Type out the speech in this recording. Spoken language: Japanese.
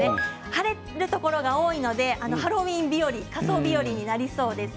晴れるところが多いのでハロウィーン日和仮装日和になりそうです。